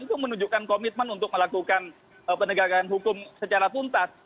itu menunjukkan komitmen untuk melakukan penegakan hukum secara tuntas